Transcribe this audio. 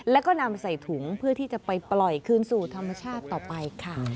แล้วก็นำใส่ถุงเพื่อที่จะไปปล่อยคืนสู่ธรรมชาติต่อไปค่ะ